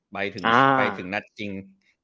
ไปถึงนัดจริง